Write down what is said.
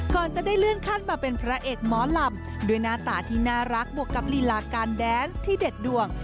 ก่อนจะได้เลื่อนขั้นมาเป็นพระเอกหมอลำด้วยหน้าตาที่น่ารักบวกกับลีลาการแดนที่เด็ดดวง